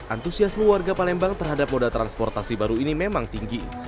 antusiasme warga palembang terhadap moda transportasi baru ini memang tinggi